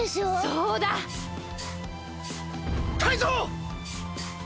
そうだ！タイゾウ！